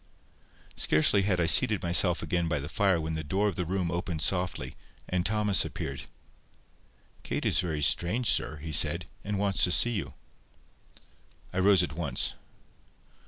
Scarcely had I seated myself again by the fire when the door of the room opened softly, and Thomas appeared. "Kate is very strange, sir," he said, "and wants to see you." I rose at once.